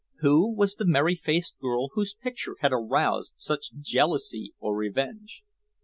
Who was the merry faced girl whose picture had aroused such jealousy or revenge?